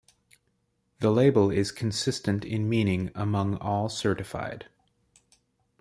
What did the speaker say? The label is consistent in meaning among all certified.